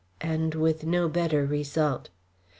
and with no better result.